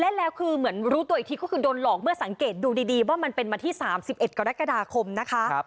แล้วคือเหมือนรู้ตัวอีกทีก็คือโดนหลอกเมื่อสังเกตดูดีว่ามันเป็นวันที่๓๑กรกฎาคมนะคะ